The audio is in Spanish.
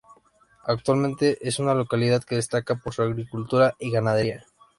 Actualmente es una localidad que destaca por su agricultura y ganadería.